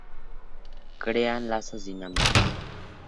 Crean lazos dinámicos.